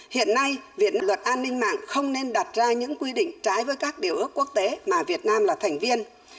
hiện nay viện luật an ninh mạng không nên đặt ra những quy định trái với các điều ước quốc tế mà việt nam là thành viên